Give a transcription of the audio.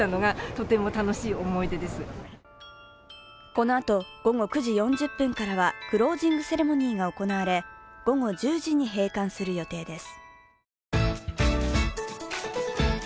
このあと午後９時４０分からはクロージングセレモニーが行われ午後１０時に閉館する予定です。